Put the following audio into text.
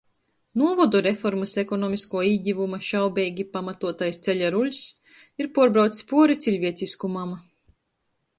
Nūvodu reformys ekonomiskuo īgivuma šaubeigi pamatuotais ceļa rulls ir puorbraucs puori cilvieciskumam.